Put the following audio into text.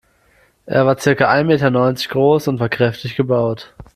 Er war circa ein Meter neunzig groß und war kräftig gebaut.